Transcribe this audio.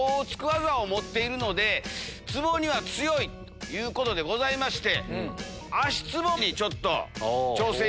ツボには強いということでございまして。